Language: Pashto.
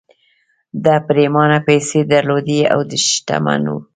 ده پرېمانه پيسې درلودې او شتمن و